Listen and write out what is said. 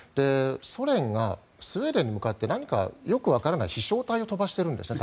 ソ連がスウェーデンに向かって何かよくわからない飛翔体を飛ばしているんですね。